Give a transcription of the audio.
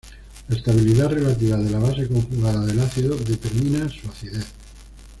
La estabilidad relativa de la base conjugada del ácido determina su acidez.